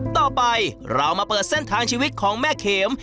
ต่อไปเรามาเปิดเส้นทางชีวิตของแม่เข็ม